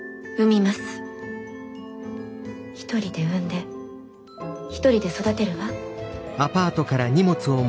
一人で産んで一人で育てるわ。